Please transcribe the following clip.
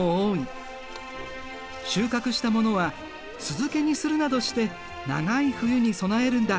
収穫したものは酢漬けにするなどして長い冬に備えるんだ。